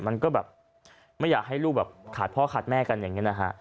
มันก็แบบไม่อยากให้ลูกแบบขาดพ่อขาดแม่กันอย่างนี้นะฮะ